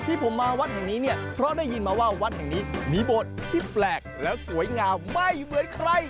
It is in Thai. ที่ผมมาวัดแห่งนี้เนี่ยเพราะได้ยินมาว่าวัดแห่งนี้มีโบสถ์ที่แปลกและสวยงามไม่เหมือนใคร